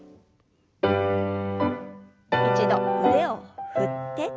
一度腕を振って。